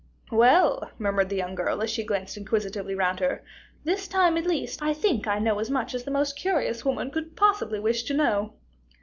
"Well," murmured the young girl, as she glanced inquisitively round her, "this time, at least, I think I know as much as the most curious woman could possibly wish to know."